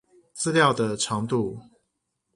資料的長度